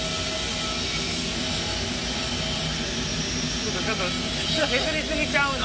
ちょっとちょっと削り過ぎちゃうの？